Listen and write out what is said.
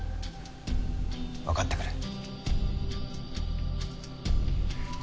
わかってくれ。